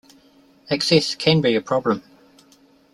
Access can be a problem.